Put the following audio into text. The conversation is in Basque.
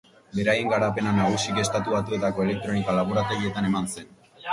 Beraien garapena nagusiki Estatu Batuetako elektronika laborategietan eman zen.